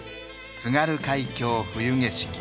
「津軽海峡・冬景色」。